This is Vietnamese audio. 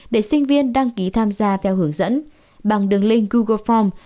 để sinh viên đăng ký tham gia theo hướng dẫn bằng đường link google farm